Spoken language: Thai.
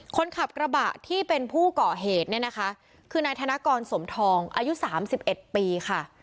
คนขับกระบะที่เป็นผู้ก่อเหตุเนี่ยนะคะคือนายธนกรสมทองอายุ๓๑ปีค่ะ